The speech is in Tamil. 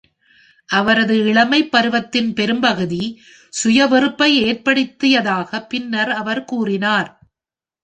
அவரது இளமைப் பருவத்தின் பெரும்பகுதி சுய வெறுப்பை ஏற்படுத்தியதாக பின்னர் அவர் கூறினார்.